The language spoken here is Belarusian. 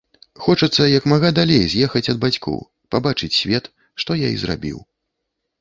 Хочацца як мага далей з'ехаць ад бацькоў, пабачыць свет, што я і зрабіў.